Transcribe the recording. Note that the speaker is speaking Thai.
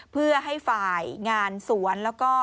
เพื่อให้ฝ่ายงานสวนแล้วก็